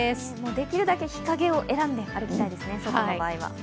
できるだけ日陰を選んで歩きたいですね、外の場合は。